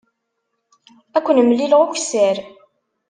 Ad ken-mlileɣ ukessar.